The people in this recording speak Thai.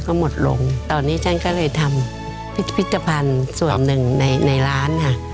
ตอนนี้ฉันก็เลยทำพิจารณ์ส่วนหนึ่งในร้านค่ะ